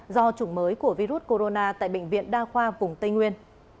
do chủng mới của virus corona tại bệnh viện đa khoa vùng tây nguyên